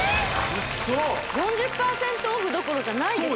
ウッソ！？４０％オフどころじゃないですよね